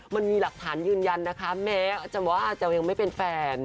มันมีหลักฐานยืนยันนะคะแม้อาจารย์ว่าจะยังไม่เป็นแฟน